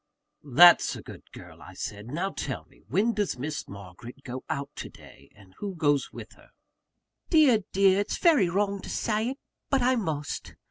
"That's a good girl," I said. "Now tell me, when does Miss Margaret go out to day; and who goes with her?" "Dear! dear! it's very wrong to say it; but I must.